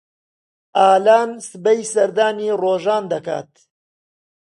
ئالان سبەی سەردانی ڕۆژان دەکات.